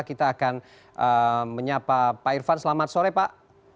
kita akan menyapa pak irfan selamat sore pak